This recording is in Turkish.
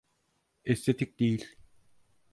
Estetik değil.